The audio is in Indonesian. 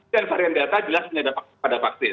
dan varian delta jelas tidak ada pada vaksin